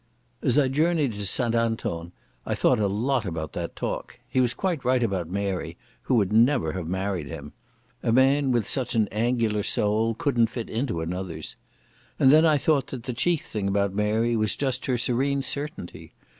As I journeyed to St Anton I thought a lot about that talk. He was quite right about Mary, who would never have married him. A man with such an angular soul couldn't fit into another's. And then I thought that the chief thing about Mary was just her serene certainty.